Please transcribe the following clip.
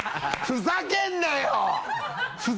ふざけんな！